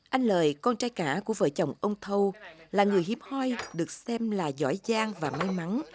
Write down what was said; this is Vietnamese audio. anh lời con trai cả của vợ chồng ông thâu là người hiếm hoi được xem là giỏi giang và may mắn